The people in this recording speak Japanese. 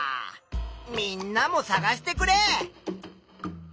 みんなもさがしてくれ。